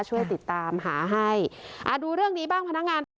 ช่วยติดตามหาให้อ่าดูเรื่องนี้บ้างพนักงาน